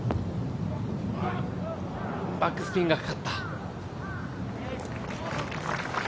バックスピンがかかった。